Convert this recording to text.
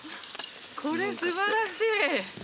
これ素晴らしい。